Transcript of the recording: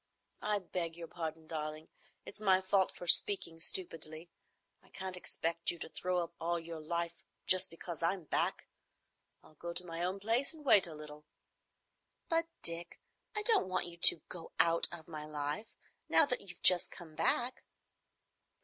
"I beg your pardon, darling. It's my fault for speaking stupidly. I can't expect you to throw up all your life just because I'm back. I'll go to my own place and wait a little." "But, Dick, I don't want you to—go—out of—my life, now you've just come back."